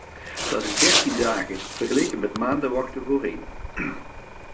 Dat is dertien dagen, vergeleken met maanden wachten voorheen.